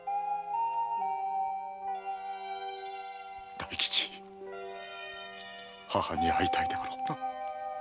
大吉母に会いたいであろうな。